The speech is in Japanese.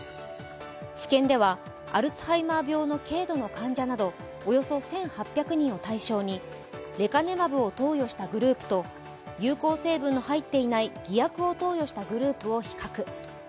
治験ではアルツハイマー病の軽度の患者など、およそ１８００人を対象にレカネマブを投与したグループと有効成分の入っていない偽薬を投与したグループを比較。